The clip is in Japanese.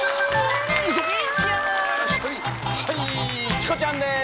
チコちゃんです！